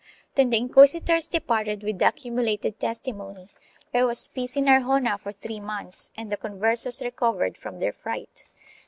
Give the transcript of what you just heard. Then the inquisitors departed with the accumulated testimony; there was peace in Arjona for three months and the Conversos recovered from their fright.